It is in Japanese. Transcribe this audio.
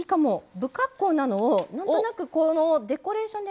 不格好なのをなんとなくデコレーションで。